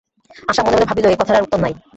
আশা মনে মনে ভাবিল, এ কথার আর উত্তর নাই।